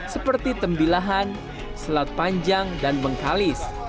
seperti tembilahan selat panjang dan bengkalis